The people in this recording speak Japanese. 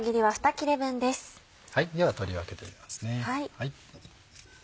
では取り分けていきますね。